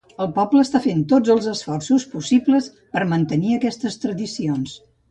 El poble està fent tots els esforços possibles per mantenir aquestes tradicions.